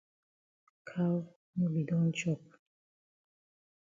Cow no be don chop.